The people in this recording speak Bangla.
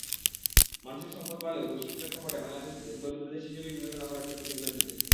মানুষের সম্পদ বাড়লেও বৈশ্বিক প্রেক্ষাপটে বাংলাদেশকে দরিদ্র দেশ হিসেবেই বিবেচনা করা হয়েছে প্রতিবেদনটিতে।